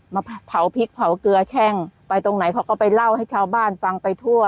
มาเผาพริกเผาเกลือแช่งไปตรงไหนเขาก็ไปเล่าให้ชาวบ้านฟังไปทั่ว